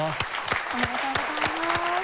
おめでとうございます！